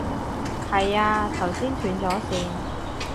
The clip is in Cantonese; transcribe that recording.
係啊，頭先斷咗線